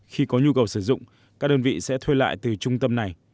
khi có nhu cầu sử dụng các đơn vị sẽ thuê lại từ trung tâm này